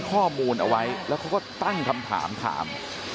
ข้อมูลเอาไว้แล้วเขาก็ตั้งคำถามถาม